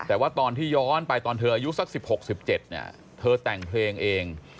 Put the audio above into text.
แต่ว่าตอนที่ย้อนไปตอนเธออายุสัก๑๖๑๗เนี่ยเธอแต่งเพลงเอง